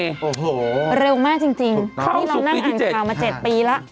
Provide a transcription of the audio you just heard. โอ้โหเร็วมากจริงนี่เรานั่งอ่านข่าวมา๗ปีแล้ว